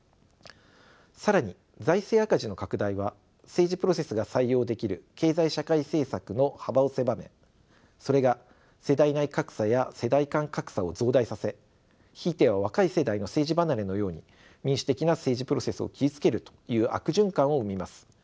更に財政赤字の拡大は政治プロセスが採用できる経済・社会政策の幅を狭めそれが世代内格差や世代間格差を増大させひいては若い世代の政治離れのように民主的な政治プロセスを傷つけるという悪循環を生みます。